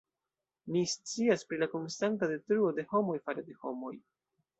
Ni scias pri la konstanta detruo de homoj fare de homoj.